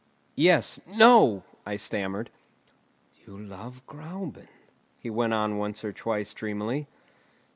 "Yes; no!" I stammered. "You love Gräuben," he went on once or twice dreamily.